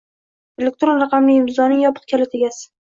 Elektron raqamli imzoning yopiq kaliti egasi